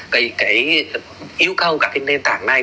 cái yêu cầu các cái nền tảng này